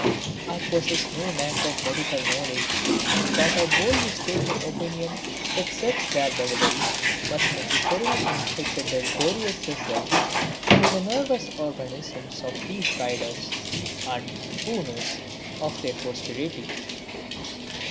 I possess no knack of medical knowledge, but I boldly state my opinion that such daredevilry must necessarily inflict a deleterious result to the nervous organisms of these riders; and, who knows, of their posterity?